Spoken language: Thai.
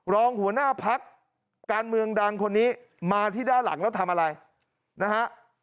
รองหัวหน้าพักการเมืองดังคนนี้มาที่ด้านหลังแล้วทำอะไรนะฮะ